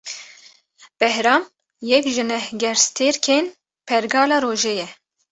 Behram, yek ji neh gerstêrkên Pergala Rojê ye